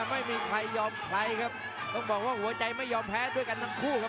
ไม่มีใครยอมใครครับต้องบอกว่าหัวใจไม่ยอมแพ้ด้วยกันทั้งคู่ครับ